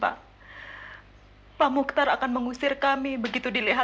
dalam urusan dengan orang tua